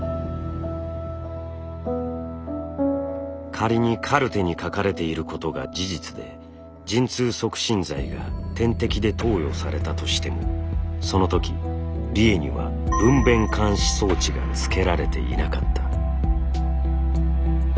仮にカルテに書かれていることが事実で陣痛促進剤が点滴で投与されたとしてもその時理栄には「分娩監視装置」がつけられていなかった。